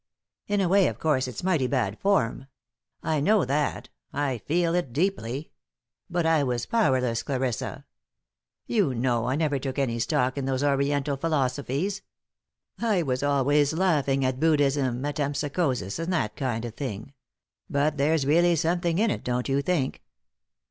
In a way, of course, it's mighty bad form. I know that. I feel it deeply. But I was powerless, Clarissa. You know I never took any stock in those Oriental philosophies. I was always laughing at Buddhism, metempsychosis, and that kind of thing. But there's really something in it, don't you think?